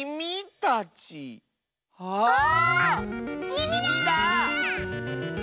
「きみ」だ！